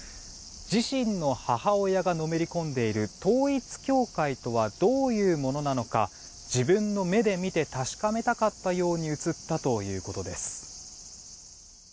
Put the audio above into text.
自身の母親がのめり込んでいる統一教会とはどういうものなのか自分の目で見て確かめたかったように映ったということです。